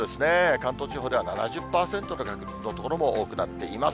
関東地方では７０％の確率の所も多くなっています。